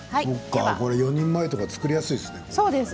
これ４人前とか作りやすいですね。